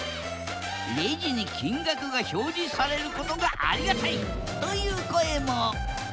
レジに金額が表示されることがありがたいという声も！